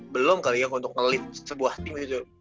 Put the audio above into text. belum kali ya untuk ngelit sebuah tim itu